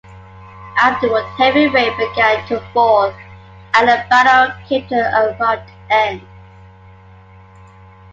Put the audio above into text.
Afterward heavy rain began to fall and the battle came to an abrupt end.